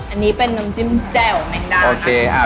อันนี้เป็นน้ำจิ้มแจ่วแมงดา